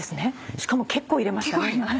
しかも結構入れましたね。